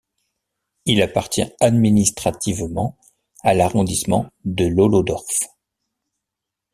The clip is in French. Il appartient administrativement à l'arrondissement de Lolodorf.